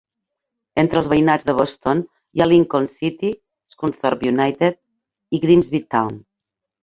Entre els veïnats de Boston hi ha Lincoln City, Scunthorpe United i Grimsby Town.